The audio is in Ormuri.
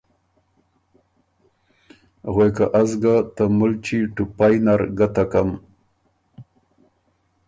غوېکه ”از ګۀ ته مُلچی ټُپئ نر ګتکم“